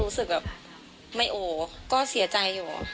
รู้สึกแบบไม่โอก็เสียใจอยู่